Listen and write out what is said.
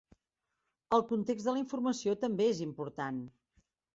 El context de la informació també és important.